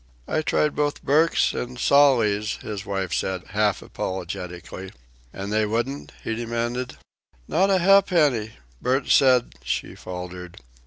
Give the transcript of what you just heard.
"I tried both Burke's an' Sawley's," his wife said half apologetically. "An' they wouldn't?" he demanded. "Not a ha'penny. Burke said " She faltered.